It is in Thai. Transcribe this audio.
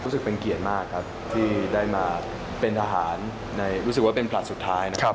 รู้สึกเป็นเกียรติมากครับที่ได้มาเป็นทหารรู้สึกว่าเป็นผลัดสุดท้ายนะครับ